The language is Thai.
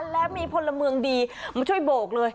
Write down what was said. และมีพลเมืองดีมาช่วยโบกเลย